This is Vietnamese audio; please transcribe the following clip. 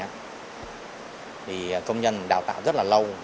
thì công nhân đào tạo rất là lâu